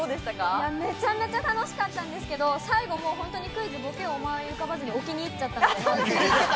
めちゃめちゃ楽しかったんですけど、最後本当にクイズぼけ、思い浮かばずに置きに入っちゃったんで。